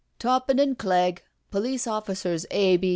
*' Toppin and Clegg— Police oifficers A.